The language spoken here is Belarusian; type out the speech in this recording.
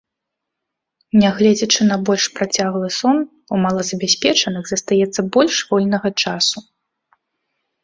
Нягледзячы на больш працяглы сон, у малазабяспечаных застаецца больш вольнага часу.